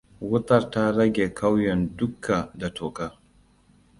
Wutar ta rage ƙauyen dukka da toka.